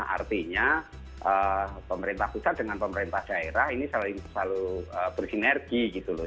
artinya pemerintah pusat dengan pemerintah daerah ini selalu bersinergi gitu loh